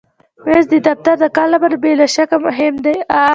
مېز د دفتر د کار لپاره بې له شکه مهم دی.